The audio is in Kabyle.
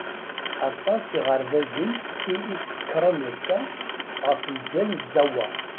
Aṭas iɣerbazen i isekkṛen assa ɣef lǧal n tzawwa.